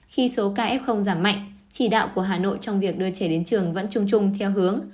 khi số kf giảm mạnh chỉ đạo của hà nội trong việc đưa trẻ đến trường vẫn trung trung theo hướng